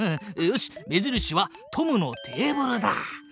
よし目印はトムのテーブルだ！